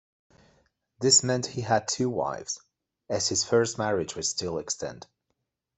This meant he had two wives, as his first marriage was still extant.